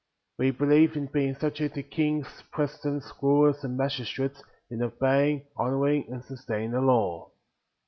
12. We believe in being ^subject to kings, presi dents, rulers, and magistrates, in obeying, honoring, and sustaining the law.